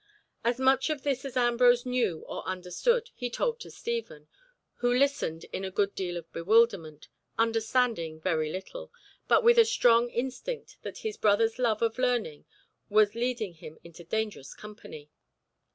As much of this as Ambrose knew or understood he told to Stephen, who listened in a good deal of bewilderment, understanding very little, but with a strong instinct that his brother's love of learning was leading him into dangerous company.